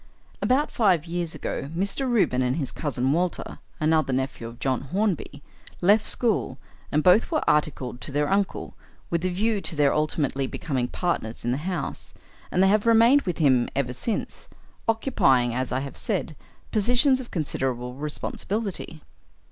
"About five years ago Mr. Reuben and his cousin Walter another nephew of John Hornby left school, and both were articled to their uncle, with the view to their ultimately becoming partners in the house; and they have remained with him ever since, occupying, as I have said, positions of considerable responsibility.